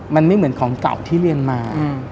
มันไม่เหมือนของเก่าที่เรียนมา